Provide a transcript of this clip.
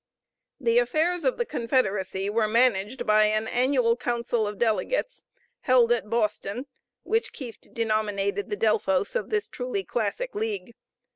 The affairs of the confederacy were managed by an annual council of delegates held at Boston, which Kieft denominated the Delphos of this truly classic league.